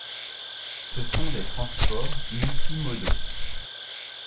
Ce sont des transports multi-modaux.